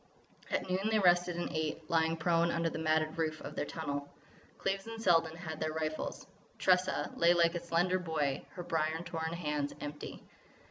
At noon they rested and ate, lying prone under the matted roof of their tunnel. Cleves and Selden had their rifles. Tressa lay like a slender boy, her brier torn hands empty.